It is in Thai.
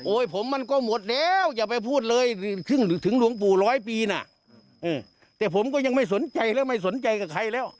ผมมันก็หมดแล้วอย่าไปพูดเลยถึงหลวงปู่ร้อยปีน่ะแต่ผมก็ยังไม่สนใจแล้วไม่สนใจกับใครแล้ว